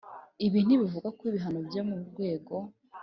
Ibi ntibivugako ibihano byo mu rwego